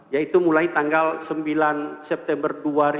yaitu mulai tanggal sembilan september dua ribu sembilan belas